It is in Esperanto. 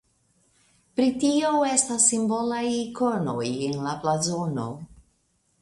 Pri tio estas simbolaj ikonoj en la blazono.